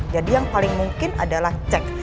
jadi yang paling mungkin adalah cek